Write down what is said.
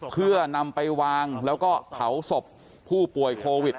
เพื่อนำไปวางแล้วก็เผาศพผู้ป่วยโควิด